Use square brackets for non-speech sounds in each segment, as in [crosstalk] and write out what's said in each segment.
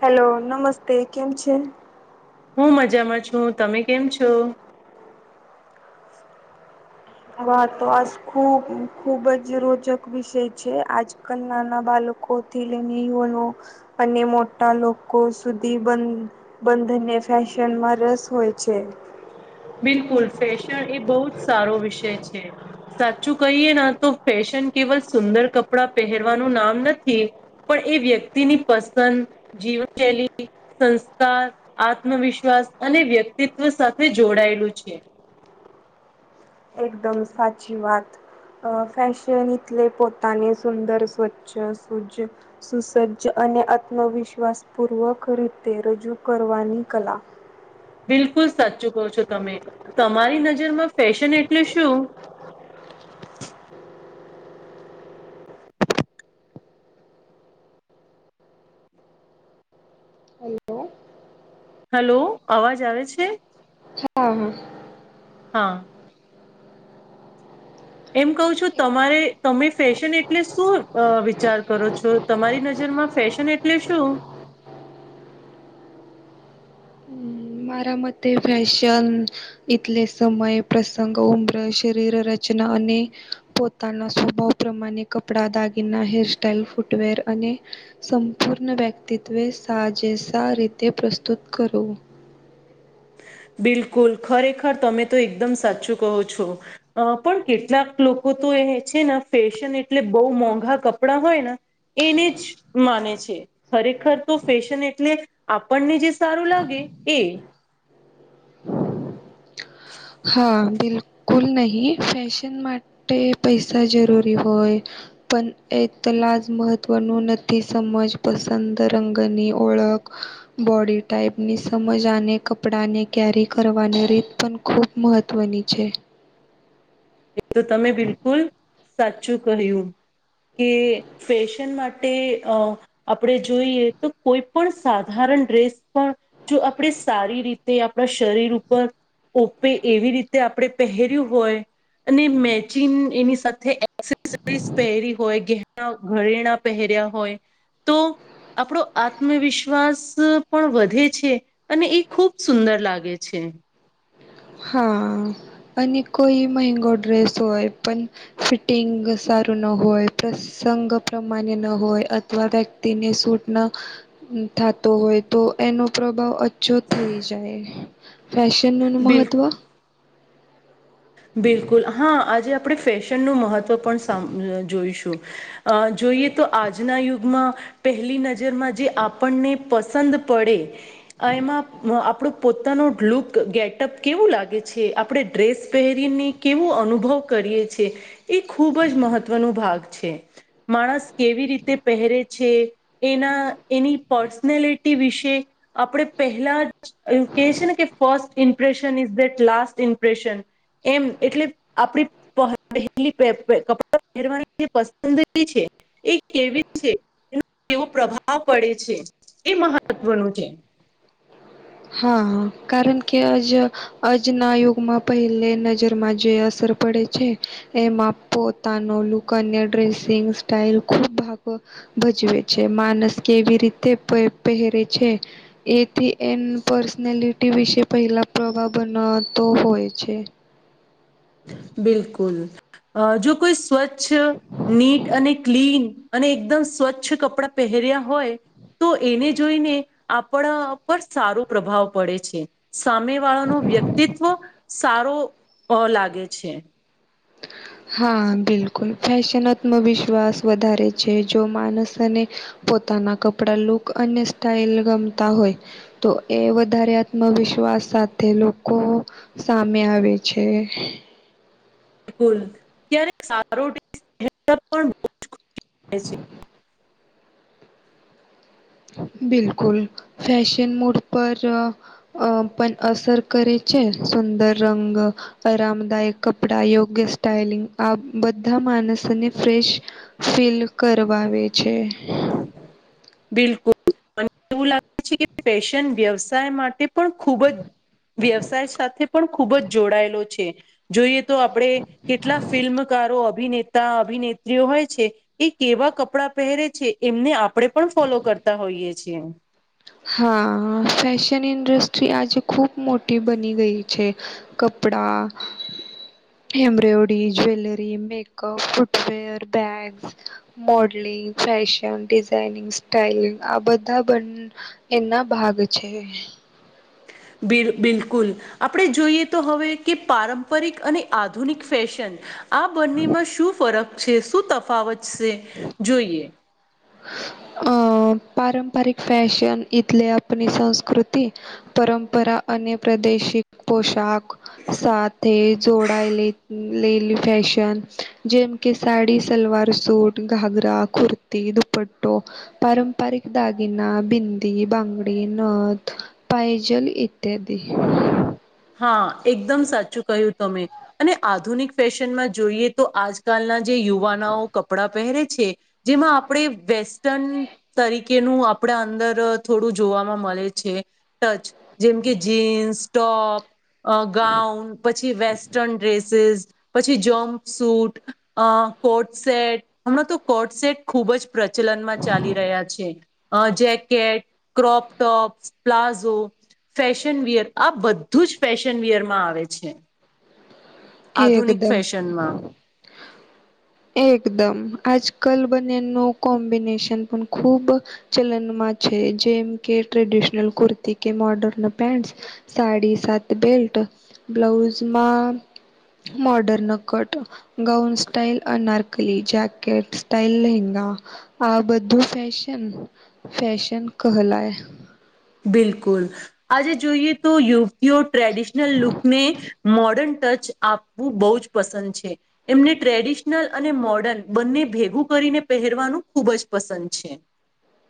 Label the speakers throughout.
Speaker 1: Hello નમસ્તે કેમ છે [inaudible]
Speaker 2: હું મજામાં છું તમે કેમ છો
Speaker 1: મહત્વ ખૂબ ખુબ જ રોચક વિષય છે આજ કલ નાના બાળકો થી લઈને યુવાનો અને મોટા લોકો સુધી બંધ બંધનને ફેશનમાં રસ હોય છે
Speaker 2: બિલકુલ ફેશન એ બહુ જ સારો વિષય છે સાચું કહીએ ના તો ફેશન કેવલ સુંદર કપડાં પહેરવાનું નામ નથી પણ એ વ્યક્તિની પસંદ જીવનશૈલી સંસ્કાર આત્મવિશ્વાસ અને વ્યક્તિત્વ સાથે જોડાયેલું છે
Speaker 1: એકદમ સાચી વાત ફેશન તલે પોતાની સુંદર સ્વચ્છ સૂજ સુસજ્જ અને આત્મવિશ્વાસ પૂર્વક રીતે રજૂ કરવાની કલા
Speaker 2: બિલકુલ સાચું કહો છો તમે તમારી નજરમાં ફેશન એટલે શું હલો અવાજ આવે છે
Speaker 1: હા હા
Speaker 2: હા [inaudible] એમ કહું છું તમારે તમે ફેશન એટલે શું વિચાર કરો છો તમારી નજર માં ફેશન એટલે શું
Speaker 1: મારા મતે ફેશન એટલે સમય પ્રસંગ ઉમ્ર શરીર રચના અને ના સ્વભાવ પ્રમાણે કપડા દાગીના હેરસ્ટાઈલ ફૂટવેર અને સંપૂર્ણ વ્યક્તિત્વે સાજેસા રીતે પ્રસ્તુત કરો
Speaker 2: બિલકુલ ખરેખર તમે તો એકદમ સાચું કહો છો અ પણ કેટલાક લોકો તો એ છે ને ફેશન એટલે બહુ મોંઘા કપડાં હોય ને એને જ માને છે ખરેખર તો ફેશન એટલે આપણને જે સારું લાગે એ
Speaker 1: હા બિલકુલ નહીિ ફેશન માટે પૈસા જરૂરી હોય પણ એલા જ મહત્વનું નથી સમજ પસંદ રંગની ઓળખ બોડી ટાઈપની સમજાને કપડા ને કેરી કરવાની રીત પણ ખૂબ મહત્ત્વની છે
Speaker 2: એ તો તમે બિલકુલ સાચું કહ્યું કે ફેશન માટે અ આપણે જોઈએ તો કોઈ પણ સાધારણ ડ્રેસ પણ જો આપણે સારી રીતે આપણા શરીર ઉપર ઓપે એવી રીતે આપણે પહેર્યું હોય અને મેચિન એની સાથે એક્સેસરીસ પહેરી હોય ઘરેણા પહેર્યા હોય તો આપણો આત્મવિશ્વાસ પણ વધે છે અને એ ખૂબ સુંદર લાગે છે
Speaker 1: હા અને કોઈ મહેગો ડ્રેસ હોય પણ ફિટિંગ સારું ન હોય પ્રસંગ પ્રમાણ્ય ન હોય એવા વ્યક્તિને સૂટના થતો હોય તો એનો પ્રભાવ થઈ જાય ફેશનનું મહત્વ
Speaker 2: બિલકુલ બિલકુલ હા આજે આપણે ફેશનનું મહત્વ પણ જોઈશું. જોઈએ તો આજના યુગમાં પહેલી નજરમાં જે આપણને પસંદ પડે આ એમાં આપણું પોતાનો લુક ગેટઅપ કેવું લાગે છે આપણે ડ્રેસ પહેરીને કેવો અનુભવ કરીએ છે એ ખૂબ જ મહત્વનો ભાગ છે. માણસ કેવી રીતે પહેરે છે એના એની પર્સનાલિટી વિશે આપણે પહેલા જ ક છે ને કે first impression is that last impression. એમ એટલે આપડી. [unintelligible] એ કેવી છે એ કેવો પ્રભાવ પડે છે એ મહત્વનું છે.
Speaker 1: હા કારણ કે આજ આજના યુગમાં પહેલે નજરમાં જે અસર પડે છે. એમાં પોતાનો લુક અને ડ્રેસિંગ સ્ટાઈલ ખુબ ભાગ ભજવે છે માનસ કેવી રીતે પહેરે છે એથી એ પર્સનેલિટી વિશે પહેલા પ્રવાહ બનાવતો હોય છે.
Speaker 2: બિલકુલ અ જો કોઈ સ્વચ્છ નીટ અને ક્લીન અને એકદમ સ્વચ્છ કપડાં પહેર્યા હોય. તો એને જોઈને આપણા પર સારો પ્રભાવ પડે છે. સામે વાળાનું વ્યક્તિત્વ સારો લાગે છે.
Speaker 1: [inaudible] હા બિલકુલ ફેશન આત્મવિશ્વાસ વધારે છે જો માણસને પોતાના કપડા લુક અને સ્ટાઈલ ગમતા હોય. તો એ વધારે આત્મવિશ્વાસ સાથે લોકો સામે આવે છે.
Speaker 2: કુલ ક્યારે. [unintelligible]
Speaker 1: બિલકુલ ફેશન મોડ પર અ પણ અસર કરે છે સુંદર રંગ આરામદાયક કપડા યોગ્ય સ્ટાઈલિંગ આ બધા માણસોને ફ્રેશ ફિલ કરવાવે છે.
Speaker 2: બિલકુલ મ એવું લાગે છે કે ફેશન વ્યવસાય માટે પણ ખૂબ જ વ્યવસાય સાથે પણ ખૂબ જ જોડાયેલો છે જોઈએ. તો આપણે કેટલા ફિલ્મકારો અભિનેતા અભિનેત્રીઓ હોય છે એ કેવા કપડા પહેરે છે એમને આપણે પણ ફોલો કરતા હોઈએ છીએ.
Speaker 1: હા ફેશન ઇન્ડસ્ટ્રી આજે ખૂબ મોટી બની ગઈ છે. કપડા embroidery, jewellery, makeup, footwear, bags modelling fashion designing styling આ બધા એના ભાગ છે.
Speaker 2: બિ બિલકુલ આપણે જોઈએ તો હવે કે પારંપરિક અને આધુનિક ફેશન આ બંનીમાં શું ફરક છે શું તફાવત છે જોઈએ.
Speaker 1: [inaudible] અ પારંપરિક ફેશન એટલે આપણી સંસ્કૃતિ પરંપરા અને પ્રાદેશિક પોશાક સાથે જોડાયેલી. લેલી ફેશન જેમ કે સાડી સલવાર સૂટ ઘાઘરા, કુર્તી, દુપટ્ટો પારંપરિક દાગિના, બિન્દી, બંગડી, નથ પાયજલ ઈત્યાદિ.
Speaker 2: હા એકદમ સાચું કહ્યું તમે. અને આધુનિક ફેશનમાં જોઈએ તો આજકાલના જે યુવાનાઓ કપડાં પહેરે છે. જેમાં આપણે વેસ્ટન તરીકેનું આપડ અંદર થોડું જોવામાં મળે છે. ટચ જેમ કે જીન્સ ટોપ. અ ગાઉન પછી વેસ્ટર્ન ડ્રેસીસ પછી જમ્પ સુૂટ અ કોટ સેટ હમણાં તો કોટ સેટ ખુબ જ પ્રચલનમાં ચાલી રહ્યા છે. અ jacket, crop tops, palazzo fashion wear આ બધ બધું જ ફેશન વીયરમાં આવે છે આધુનિક
Speaker 1: એકદમ
Speaker 2: ફેશનમાં
Speaker 1: [unintelligible] [inaudible] એકદમ આજ કલ બનેનું કોમ્બિનેશન પણ ખૂબ ચલનમાં છે જેમ કે ટ્રેડિશનલ કુર્તી કે, મોર્ડર્ન પેન્ટ સાડી સાત બેલ્ટ, બ્લાઉઝમાં મોર્ડર્ન ન cut gown style anarkali, jacket style lehenga આ બધું ફેશન ફેશન કહલાય
Speaker 2: બિલકુલ આજે જોઈએ તો યુ ટ્રેડિશનલ લુકને મોર્ડર્ન ટચ આપવું બહુ જ પસંદ છે. એમને ટ્રેડિશનલ અને મોર્ડર્ન બંને ભેગું કરીને પહેરવાનું ખૂબ જ પસંદ છે.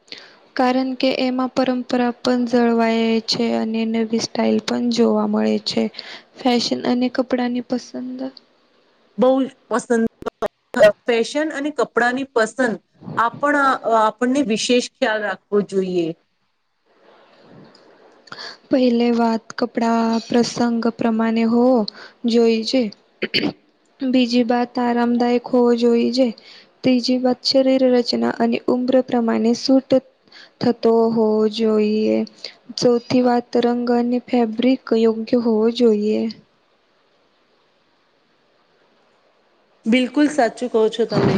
Speaker 1: હ [inaudible] [unintelligible] કારણ કે એમાં પરંપરા પણ જળવાય છે અને નવી સ્ટાઇલ પણ જોવા મળે છે. છે ફેશન અને કપડાની પસંદ
Speaker 2: બહુ જ પસંદ ફેશન અને કપડાની પસંદ આપણ આપણને વિશેષ ખ્યાલ રાખવો જોઈએ.
Speaker 1: પહેલે વાત કપડા પ્રસંગ પ્રમાણે હો જોઈ છે બીજી વાત આરામદાયક હોવો જોઈ છે. ત્રીજી વાત શરીર રચના અને ઉમ્ર પ્રમાણે સૂટ થતો હોવો જોઈએ. સૌથી વાત રંગ અને ફેબ્રિક યોગ્ય હોવો જોઈએ.
Speaker 2: બિલકુલ સાચું કહો છો તમે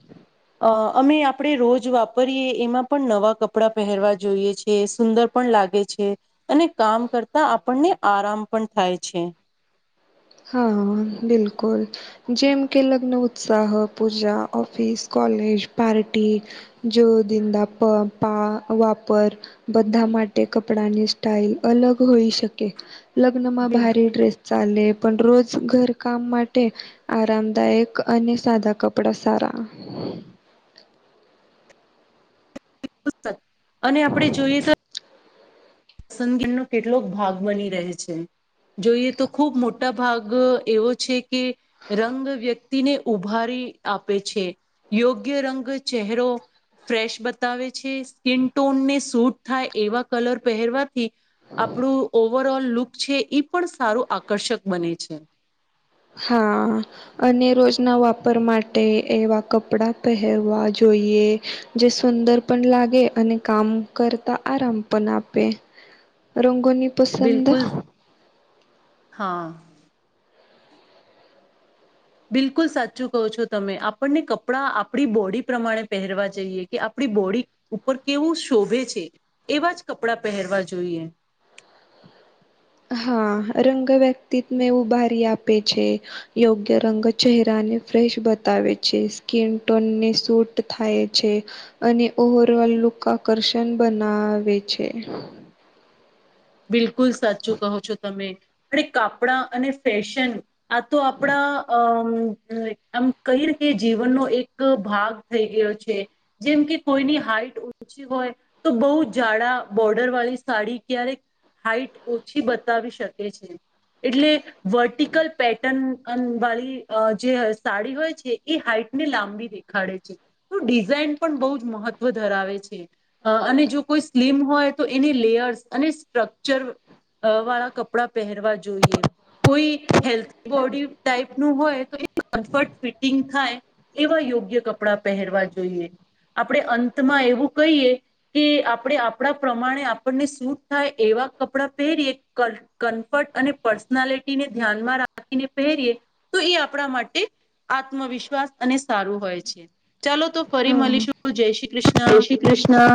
Speaker 1: હ [unintelligible] [inaudible]
Speaker 2: અ અમે આપણેે રોજ વાપરીએ એમાં પણ નવા કપડાં પહેરવા જોઈએ છે સુંદર પણ લાગે છે અને કામ કરતા આપણને આરામ પણ થાય છે.
Speaker 1: હા બિલકુલ જેમ કે લગ્ન ઉત્સાહ, પૂજા, ઓફિસ, કોલેજ, પાર્ટી જ્યો દિનંદ પ પા વાપર બધા માટે કપડાની સ્ટાઈલ અલગ હોઈ શકે. લગ્નમાં
Speaker 2: બિલકુલ.
Speaker 1: ભારે ડ્રેસ ચાલે, પણ રોજ ઘર કામ માટે આરામદાયક અને સાદા કપડા સારા
Speaker 2: અને આપડે જોઈએ તો પસંદગી નુ કેટલોક ભાગ બની રહે છે જોઈએ તો ખુબ મોટો મોટા ભાગ એવો છે કે રંગ વ્યક્તિને ઉભારી આપે છે યોગ્ય રંગ ચહેરો ફ્રેશ બતાવે છે સ્કીન ટોનને સૂટ થાય એવા કલર પહેરવાથી આપણું ઓવરઓલ લુક છે, ઈ પણ સારું આકર્ષક બને છે.
Speaker 1: હા અને રોજના વાપર માટે એવા કપડા પહેરવા જોઈએ. જે સુંદર પણ લાગે અને કામ કરતા આરામ પણ આપે. રંગોની પસંદ
Speaker 2: બિલકુલ હા. બિલકુલ સાચું કહો છો તમે આપણને કપડાં આપણી બોડી પ્રમાણે પહેરવા જઈએ કે આપણી બોડી. ઉપર કેવું શોભે છે, એવા જ કપડાં પહેરવા જોઈએ.
Speaker 1: હા રંગ વ્યક્તિત્વ ને ઉભારી આપે છે. યોગ્ય રંગ ચહેરાને ફ્રેશ બતાવે છે સ્કીન ટોનને સૂટ થાય છે. અને ઓવરઓલ લુક આકર્ષણ બનાવે છે.
Speaker 2: બિલકુલ સાચું કહો છો તમે અને કાપડા અને ફેશન. આ તો આપડા અ. આમ કઈ રીતે જીવનનો એક ભાગ થઈ ગયો છે. જેમ કે કોઈની હાઈટ. હોય તો બહુ જાડા બોર્ડર વાળી સાડી ક્યારેક. હાઈટ ઓછી બતાવી શકે છે એટલે. વર્ટિકલ પેટર્ન વાળી જે સાડી હોય છે એ હાઈટ ને લાંબી દે. ખાડે છે તો ડિઝાઇન પણ બહુ જ મહત્વ ધરાવે છે. અ અને જો કોઈ સ્લમ હોય તો એની લેયર્સ અને સ્ટ્રક્ચર. અ વાળા કપડાં પહેરવા જોઈએ. કોઈ હેલ્ બોડી ટાઈપ નું હોય તો કમ્ફર્ટ ફિટિંગ થાય. એવા યોગ્ય કપડાં પહેરવા જોઈએ. આપણે અંતમાં એવું કહીએ કે આપણે આપણા પ્રમાણે આપણને શ. થાય એવા કપડાં પહેરીએ કર. કમફર્ટ અને પર્સનાલિટીને ધ્યાનમાં રાખીને પહેરીએ તો એ આપણા માટે. આત્મવિશ્વાસ અને સારું હોય છે ચાલો તો ફરી
Speaker 1: હા.
Speaker 2: મળીશું જય શ્રી કૃષ્ણ.
Speaker 1: જય શ્રી કૃષ્ણ.